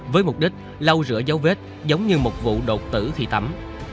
với mục đích lau rửa dấu vết giống như một vụ đột tử thi tắm